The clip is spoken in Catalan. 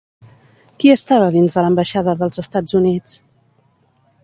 Qui estava dins de l'Ambaixada dels Estats Units?